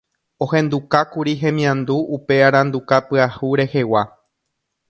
ohendukákuri hemiandu upe aranduka pyahu rehegua